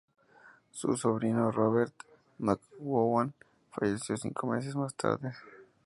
Su sobrino, Robert A. McGowan, falleció cinco meses más tarde.